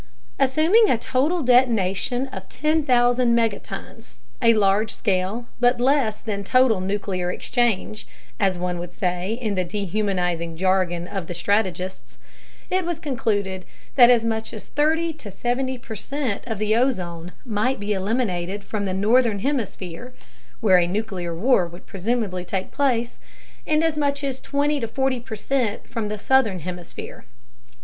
Assuming a total detonation of 10,000 megatons a large scale but less than total nuclear "exchange," as one would say in the dehumanizing jargon of the strategists it was concluded that as much as 30 70 percent of the ozone might be eliminated from the northern hemisphere (where a nuclear war would presumably take place) and as much as 20 40 percent from the southern hemisphere.